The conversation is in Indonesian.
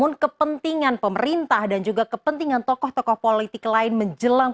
yang tadi sudah disebutkan oleh mas revo ini cukup besar sebenarnya